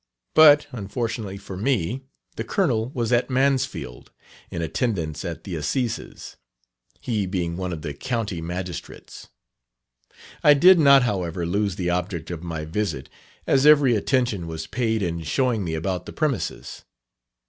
But, unfortunately for me, the Colonel was at Mansfield, in attendance at the Assizes he being one of the County Magistrates. I did not however lose the object of my visit, as every attention was paid in showing me about the premises.